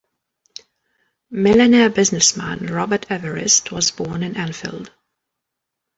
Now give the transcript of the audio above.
Millionaire businessman, Robert Everist was born in Enfield.